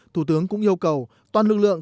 thủ tướng cũng yêu cầu toàn lực lượng